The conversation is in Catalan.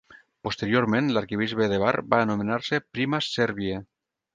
Posteriorment, l'arquebisbe de Bar va anomenar-se "Primas Serbiae".